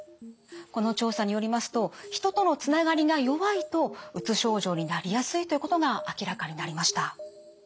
この調査によりますと人とのつながりが弱いとうつ症状になりやすいということが明らかになりました。